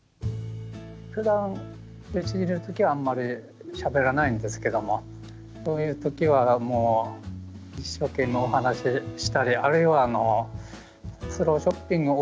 ふだんうちにいる時はあんまりしゃべらないんですけどもこういう時はもう一生懸命お話ししたりあるいはスローショッピング終わったあとですね